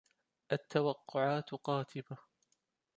التوقعات قاتمة.